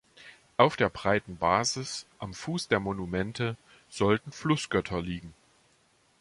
Auf der breiten Basis am Fuß der Monumente sollten Flussgötter liegen.